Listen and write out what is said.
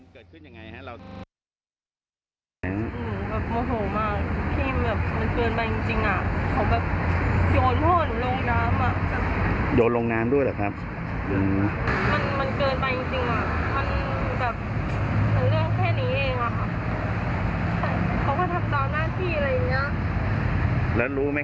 คุณจะรู้อะไรกับเขามะกอนไหมอันนี้เกี่ยวกับเรื่องที่ว่ามาตัดไฟ